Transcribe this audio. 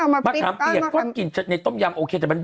มะขามเปียกก็กินในต้มยำโอเค